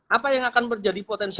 apa yang akan menjadi potensi